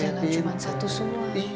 jangan cuma satu suai